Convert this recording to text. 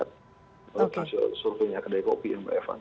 suruh punya kedai kopi yang baya fun